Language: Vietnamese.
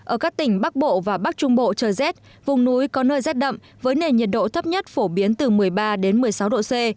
ở các tỉnh bắc bộ và bắc trung bộ trời rét vùng núi có nơi rét đậm với nền nhiệt độ thấp nhất phổ biến từ một mươi ba đến một mươi sáu độ c